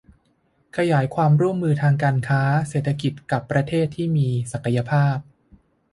ขยายความร่วมมือทางการค้า เศรษฐกิจกับประเทศที่มีศักยภาพ